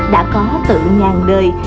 đã có từ ngàn đời